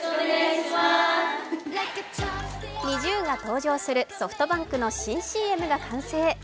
ＮｉｚｉＵが登場するソフトバンクの新ＣＭが完成。